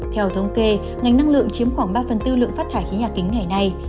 theo thông kê ngành năng lượng chiếm khoảng ba bốn lượng phát thải khí nhà kính ngày nay